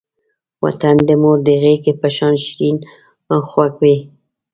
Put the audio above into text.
وطن د مور د غېږې په شان شیرین او خوږ وی.